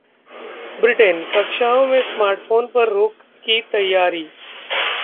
Britain: कक्षाओं में smartphone पर रोक की तैयारी